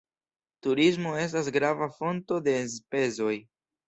Turismo estas grava fonto de enspezoj.